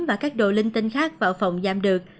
và các đồ linh tinh khác vào phòng giam được